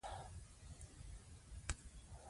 زه ارامه یم ځکه چې تمرین مې کړی دی.